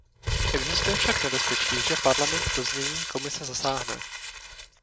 Existuje však nebezpečí, že Parlament do znění Komise zasáhne.